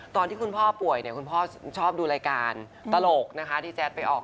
ตอนที่คุณพ่อป่วยเนี่ยคุณพ่อชอบดูรายการตลกนะคะที่แจ๊ดไปออก